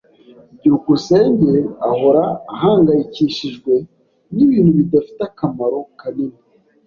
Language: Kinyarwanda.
byukusenge ahora ahangayikishijwe nibintu bidafite akamaro kanini.